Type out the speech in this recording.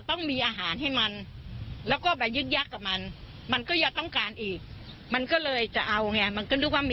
ถ้าไปยึดยากกับมันนะมันก็รู้กันเล่น